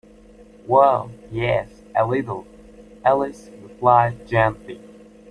‘Well—yes—a little,’ Alice replied gently.